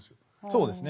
そうですね。